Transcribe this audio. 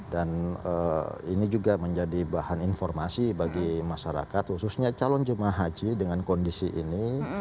dan ini juga menjadi bahan informasi bagi masyarakat khususnya calon jemaah haji dengan kondisi ini